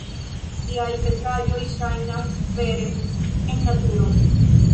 Liaj pentraĵoj ŝajnas vere en naturo.